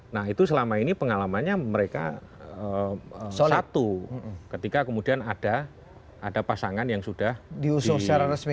nah itu selama ini pengalamannya mereka satu ketika kemudian ada pasangan yang sudah diresmikan